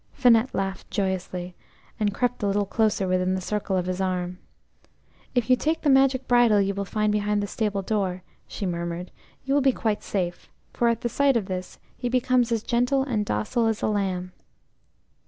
Finette laughed joyously, and crept a little closer within the circle of his arm. "If you take the magic bridle you will find behind the stable door," she murmured, "you will be quite safe, for at the sight of this he becomes as gentle and docile as a lamb."